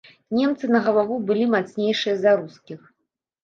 Немцы на галаву былі мацнейшыя за рускіх.